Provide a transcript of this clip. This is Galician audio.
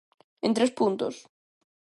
En tres puntos.